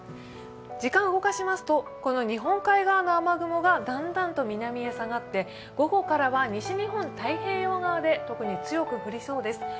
時間を動かしますと、日本海側の雨雲がだんだんと南へ下がって午後からは西日本、太平洋側で特に強く降りそうです。